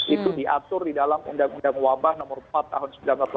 itu diatur di dalam undang undang wabah nomor empat tahun seribu sembilan ratus delapan puluh